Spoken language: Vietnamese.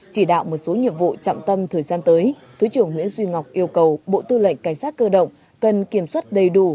chỉ đạo một số nhiệm vụ trọng tâm thời gian tới thứ trưởng nguyễn duy ngọc yêu cầu bộ tư lệnh cảnh sát cơ động cần kiểm soát đầy đủ